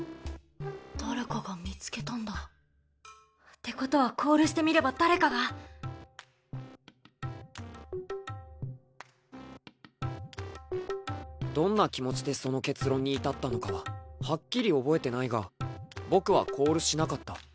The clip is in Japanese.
ってことはコールしてみれば誰かがどんな気持ちでその結論に至ったのかははっきり覚えてないが僕はコールしなかった。